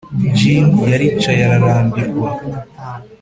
djinn yaricaye ararambirwa,